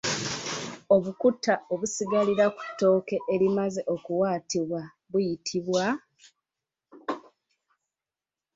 Obukuta obusigalira ku ttooke erimaze okuwaatibwa buyitibwa?